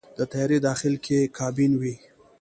د طیارې داخل کې کابین وي.